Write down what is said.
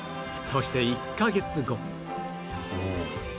そして１カ月後